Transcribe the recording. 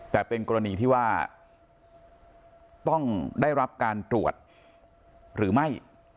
แต่เป็นกรณีที่ว่าต้องได้รับการตรวจหรือไม่